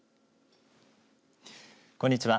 こんにちは。